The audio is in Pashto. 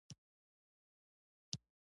پښتو خوږه ژبه ده